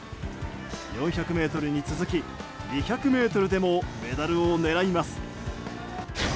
４００ｍに続き２００ｍでもメダルを狙います。